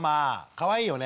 かわいいよね